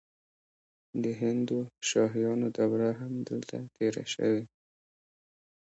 د هندوشاهیانو دوره هم دلته تیره شوې